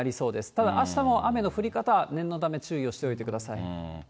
ただあしたも雨の降り方、念のため注意をしておいてください。